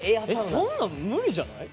そんなん無理じゃない？